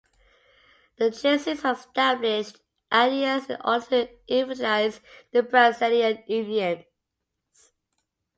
The Jesuits had established aldeias in order to evangelize the Brazilian Indians.